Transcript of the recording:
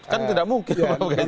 kan tidak mungkin